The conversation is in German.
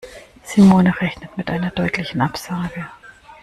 Simone rechnet mit einer deutlichen Absage.